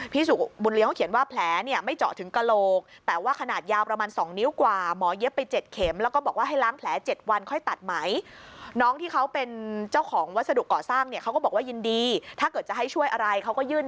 พี่สุบุญเลี้ยงเขาเขียนว่าแผลเนี่ยไม่เจาะถึงกะโลก